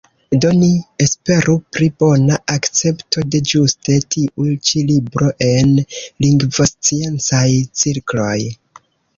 Do ni esperu pri bona akcepto de ĝuste tiu ĉi libro en lingvosciencaj cirkloj.